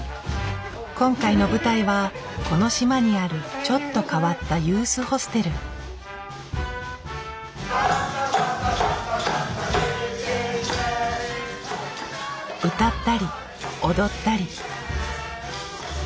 今回の舞台はこの島にあるちょっと変わった歌ったり踊ったり。